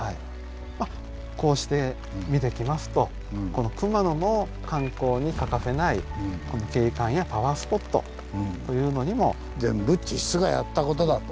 こうして見てきますとこの熊野の観光に欠かせない景観やパワースポットというのにも。全部地質がやったことだと。